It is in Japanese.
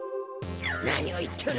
何を言っとる